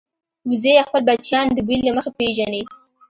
وزې خپل بچیان د بوی له مخې پېژني